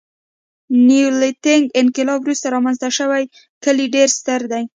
نیولیتیک انقلاب وروسته رامنځته شوي کلي ډېر ستر دي.